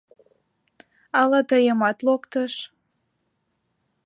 — Ала тыйымат локтыш?